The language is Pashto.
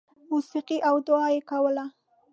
• موسیقي او دعا یې کوله.